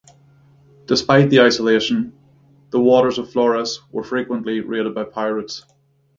Despite the isolation, the waters of Flores were frequently raided by pirates.